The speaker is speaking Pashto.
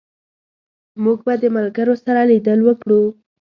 موږ به د ملګرو سره لیدل وکړو